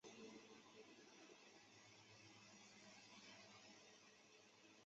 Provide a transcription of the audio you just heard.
红花姬旋花为旋花科菜栾藤属下的一个种。